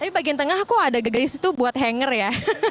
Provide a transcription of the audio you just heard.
tapi bagian tengah kok ada gegris itu buat hanger ya